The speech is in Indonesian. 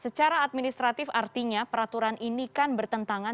secara administratif artinya peraturan ini kan bertentangan